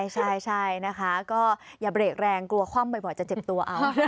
ใช่นะคะก็อย่าเบรกแรงกลัวคว่ำบ่อยจะเจ็บตัวเอา